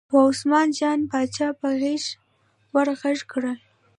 وه عثمان جان پاچا په غږ یې ور غږ کړل.